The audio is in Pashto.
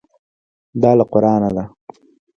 دا له قرانه ده.